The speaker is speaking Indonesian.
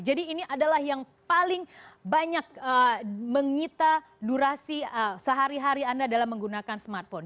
jadi ini adalah yang paling banyak menyita durasi sehari hari anda dalam menggunakan smartphone